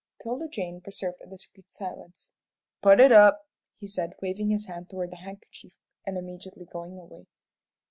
'Tilda Jane preserved a discreet silence. "Put it up," he said, waving his hand toward the handkerchief and immediately going away.